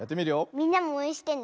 みんなもおうえんしてね。